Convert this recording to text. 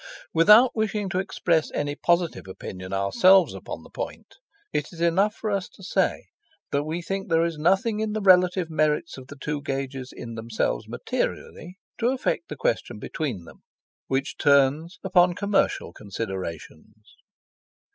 Without wishing to express any positive opinion ourselves upon the point, it is enough for us to say that we think there is nothing in the relative merits of the two gauges in themselves materially to affect the question between them, which turns upon commercial considerations.